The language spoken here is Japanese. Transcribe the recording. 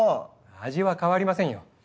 味は変わりませんよ